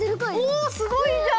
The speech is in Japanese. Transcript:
おっすごいじゃん！